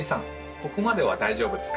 ここまでは大丈夫ですか？